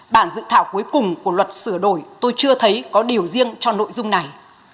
bản dự thảo cuối cùng của luật sửa đổi tôi chưa thấy có điều riêng cho nội dung này